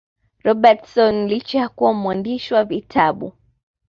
Robertson licha ya kuwa mwandishi wa vitabu